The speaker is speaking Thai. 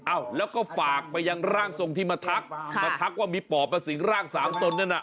อ้าวแล้วก็ฝากไปยังร่างทรงที่มาทักมาทักว่ามีปอบมาสิงร่างสามตนนั่นน่ะ